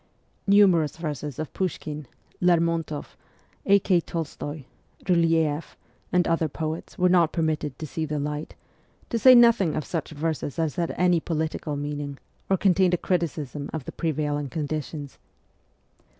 Numerous verses of Pushkin, Lermontoff, A. K. Tolstoy, Byleeff, and other poets were not per mitted to see the light ; to say nothing of such verses as had any political meaning or contained a criticism of the prevailing conditions.